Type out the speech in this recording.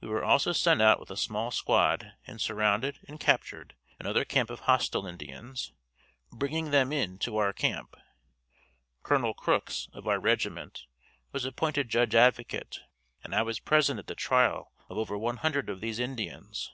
We were also sent out with a small squad and surrounded and captured another camp of hostile Indians, bringing them in to our camp. Col. Crooks, of our regiment, was appointed Judge Advocate and I was present at the trial of over one hundred of these Indians.